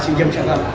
tuy theo sản phẩm